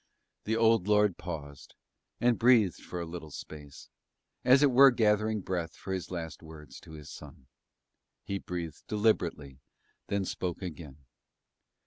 The old lord paused, and breathed for a little space, as it were gathering breath for his last words to his son. He breathed deliberately, then spoke again.